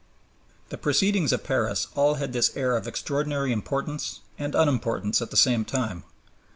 The proceedings of Paris all had this air of extraordinary importance and unimportance at the same time.